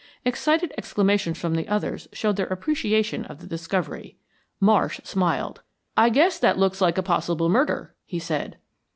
Excited exclamations from the others showed their appreciation of the discovery. Marsh smiled. "I guess that looks like a possible murder," he said.